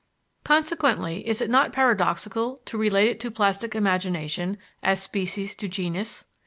Consequently, is it not paradoxical to relate it to plastic imagination, as species to genus?